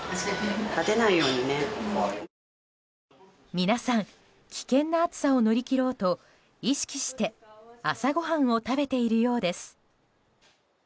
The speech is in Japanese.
皆さん危険な暑さを乗り切ろうと意識して朝ごはんを食べているようです。